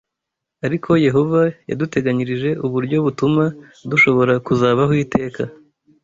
Ariko Yehova yaduteganyirije uburyo butuma dushobora kuzabaho iteka